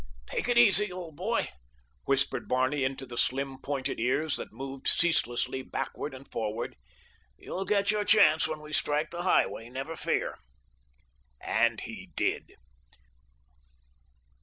"Take it easy, old boy," whispered Barney into the slim, pointed ears that moved ceaselessly backward and forward, "you'll get your chance when we strike the highway, never fear." And he did.